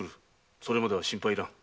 それまでは心配要らん。